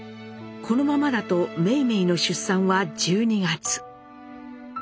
このままだと梅梅の出産は１２月。